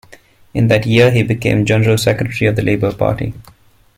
In that year he became General-Secretary of the Labour Party.